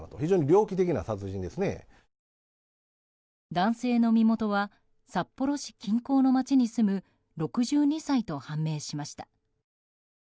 男性の身元は札幌市近郊の町に住む６２歳と判明しました。